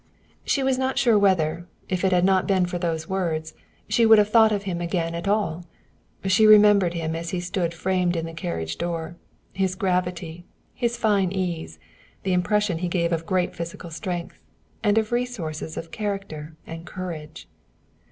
She was not sure whether, if it had not been for those words, she would have thought of him again at all. She remembered him as he stood framed in the carriage door his gravity, his fine ease, the impression he gave of great physical strength, and of resources of character and courage.